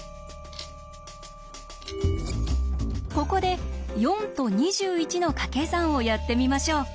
ここで４と２１のかけ算をやってみましょう。